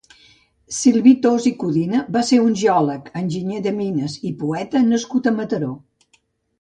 Silví Thos i Codina va ser un geòleg, enginyer de mines i poeta nascut a Mataró.